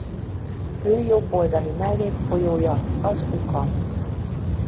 Fő jobb oldali mellékfolyója az Ugam.